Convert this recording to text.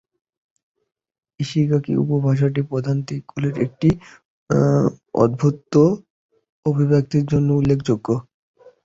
Ishigaki উপভাষাটি প্রধান দিকগুলির একটি অদ্ভুত অভিব্যক্তির জন্য উল্লেখযোগ্য।